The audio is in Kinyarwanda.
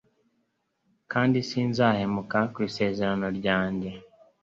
kandi sinzahemuka ku Isezerano ryanjye